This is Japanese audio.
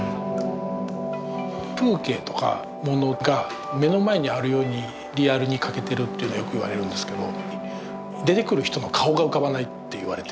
風景とかものが目の前にあるようにリアルに書けてるっていうのよく言われるんですけど出てくる人の顔が浮かばないって言われて。